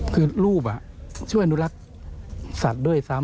คือรูปช่วยอนุรักษ์สัตว์ด้วยซ้ำ